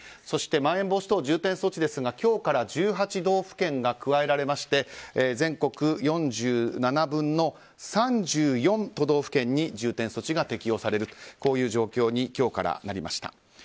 そしてまん延防止等重点措置ですが今日から１８道府県が加えられまして全国４７分の３４都道府県に重点措置が適用される状況に今日からなりました。